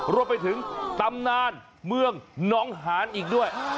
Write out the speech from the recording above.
รวมไปถึงตำนานเมืองน้องหานอีกด้วย